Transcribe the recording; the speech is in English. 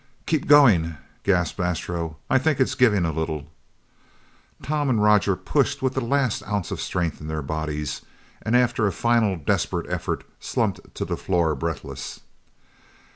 "Keep going," gasped Astro. "I think it's giving a little!" Tom and Roger pushed with the last ounce of strength in their bodies, and after a final desperate effort, slumped to the floor breathless.